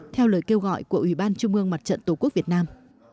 theo lời kêu gọi của ủy ban trung ương mặt trận tổ quốc việt nam